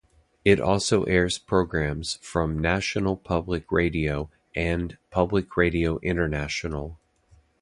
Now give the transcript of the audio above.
It also airs programs from National Public Radio and Public Radio International.